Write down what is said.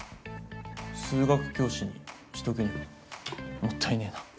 数学教師にしとくにはもったいねえな。